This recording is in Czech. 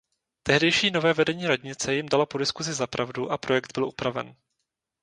Tehdejší nové vedení radnice jim dalo po diskusi za pravdu a projekt byl upraven.